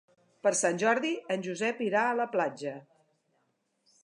Per Sant Jordi en Josep irà a la platja.